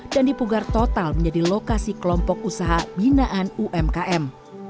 dan dipugar total menjadi lokasi kelompok usaha binaan umkm